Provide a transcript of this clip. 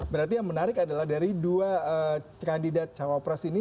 berarti yang menarik adalah dari dua kandidat cawapres ini